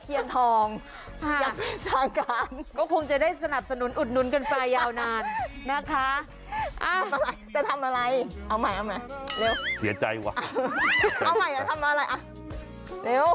เอาใหม่กันทำอะไรเร็ว